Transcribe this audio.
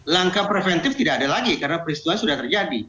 langkah preventif tidak ada lagi karena peristiwa sudah terjadi